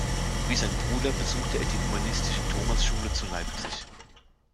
Wie sein Bruder besuchte er die humanistische Thomasschule zu Leipzig.